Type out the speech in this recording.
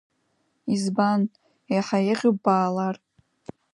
Избан, еиҳа еиӷьуп баалар.